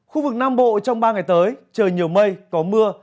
khu vực nam bộ trong ba ngày tới trời nhiều mây có mưa